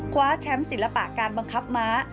คว้าแชมป์ศิลปะการบังคับม้า